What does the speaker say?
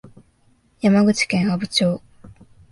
山口県阿武町